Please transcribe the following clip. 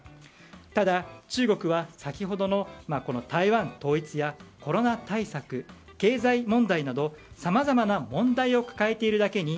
ただ、中国は先ほどの台湾統一やコロナ対策、経済問題などさまざまな問題を抱えているだけに